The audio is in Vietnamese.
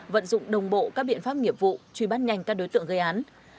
vận dụng đồng bộ các biện pháp nghiệp vụ truy bắt nhanh các đối tượng gây án